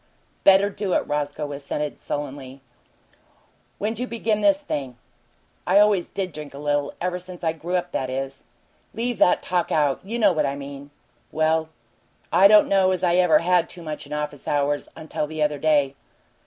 "Better do it," Roscoe assented, sullenly. "When'd you begin this thing?" "I always did drink a little. Ever since I grew up, that is." "Leave that talk out! You know what I mean." "Well, I don't know as I ever had too much in office hours until the other day."